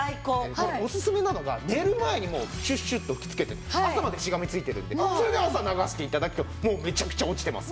これオススメなのが寝る前にシュッシュッと吹きつけて朝までしがみついてるのでそれで朝流して頂くとめちゃくちゃ落ちてます。